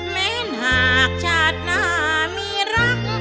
ไม่หนักชาตินามีรัก